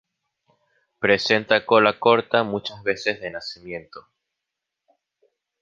Presenta cola corta muchas veces de nacimiento.